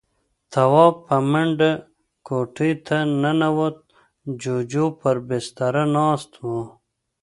تواب په منډه کوټې ته ننوت. جُوجُو پر بستره ناست و.